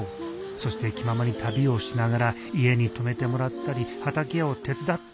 そして気ままに旅をしながら家に泊めてもらったり畑を手伝ったりしよう。